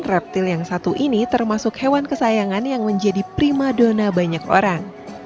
reptil yang satu ini termasuk hewan kesayangan yang menjadi prima dona banyak orang